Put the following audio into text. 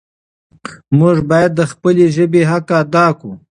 موږ باید د خپلې ژبې حق ادا کړو.